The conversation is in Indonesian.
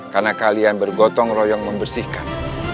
karena kalian bergotong royong membersihkan